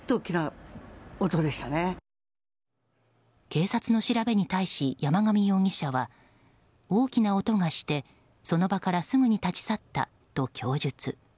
警察の調べに対し山上容疑者は大きな音がして、その場からすぐに立ち去ったと供述。